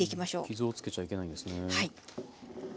傷をつけちゃいけないんですね。